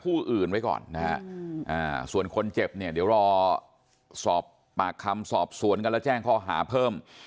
อื่นไว้ก่อนนะฮะส่วนคนเจ็บเนี่ยเดี๋ยวรอสอบปากคำสอบสวนกันแล้วแจ้งข้อหาเพิ่ม